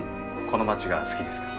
この街が好きですか？